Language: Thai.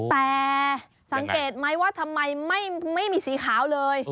แต่สังเกตไหมว่าทำไมไม่มีสีขาวเลย